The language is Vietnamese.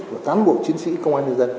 của tán bộ chiến sĩ công an nhân dân